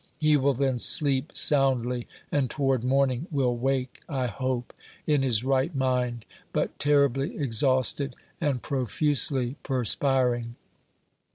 He will then sleep soundly, and toward morning will wake, I hope, in his right mind, but terribly exhausted and profusely perspiring.